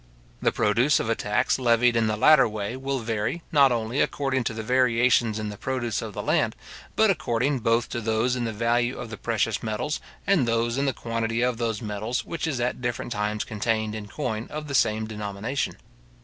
The produce of a tax levied in the latter way will vary, not only according to the variations in the produce of the land, but according both to those in the value of the precious metals, and those in the quantity of those metals which is at different times contained in coin of the same denomination.